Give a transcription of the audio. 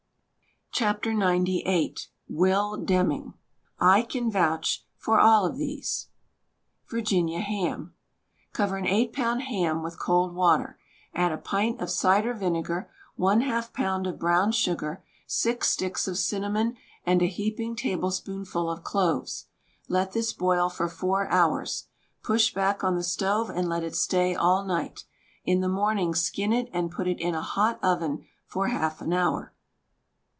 [i86] WRITTEN FOR MEN BY MEN XCVIII Will Deming I can vouch for all of these: VIRGINIA HAM Cover an eight pound ham with cold water. Add a pint of cider vinegar ; one half pound of brown sugar ; six sticks of cinnamon and a heaping tablespoonful of cloves. Let this boil for four hours. Push back on the stove and let it stay all night. In the morning skin it and put it in a hot oven for half an hour.